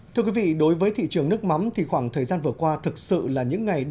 thưa quý vị đối với thị trường nước mắm thì khoảng thời gian vừa qua thực sự là những ngày đầu